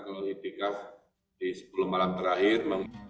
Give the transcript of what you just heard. kalau itikaf di sepuluh malam terakhir